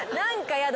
やだ！